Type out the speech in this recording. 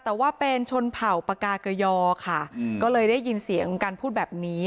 แต่ว่าเป็นชนเผ่าปากาเกยอค่ะก็เลยได้ยินเสียงการพูดแบบนี้